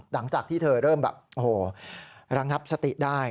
หลังจากที่เธอเริ่มแบบโอ้โหระงับสติได้